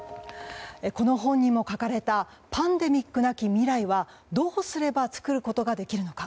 この本にも書かれたパンデミックなき未来はどうすれば作ることができるのか。